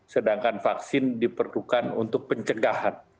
sedangkan vaksin diperlukan untuk pencegahan